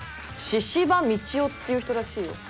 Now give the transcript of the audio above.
「神々道夫」っていう人らしいよ。